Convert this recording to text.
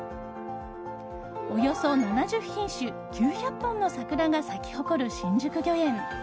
およそ７０品種、９００本の桜が咲き誇る新宿御苑。